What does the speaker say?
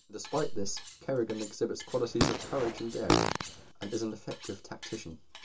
Despite this, Kerrigan exhibits qualities of courage and daring, and is an effective tactician.